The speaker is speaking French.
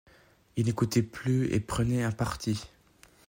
Il n’écoutait plus et prenait un parti.